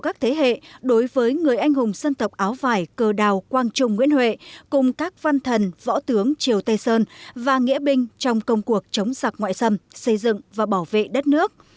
các thế hệ đối với người anh hùng dân tộc áo vải cờ đào quang trung nguyễn huệ cùng các văn thần võ tướng triều tây sơn và nghĩa binh trong công cuộc chống sặc ngoại xâm xây dựng và bảo vệ đất nước